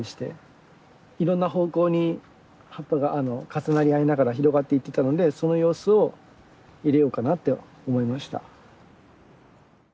いろんな方向に葉っぱが重なり合いながら広がっていってたのでその様子を入れようかなって思いました。